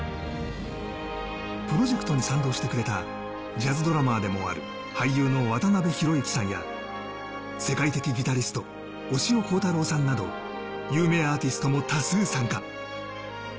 プロジェクトに賛同してくれたジャズドラマーでもある俳優の渡辺裕之さんや世界的ギタリスト、押尾コータローさんなど有名アーティストも多数参加。